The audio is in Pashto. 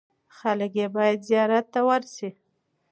خلک باید یې زیارت ته ورسي.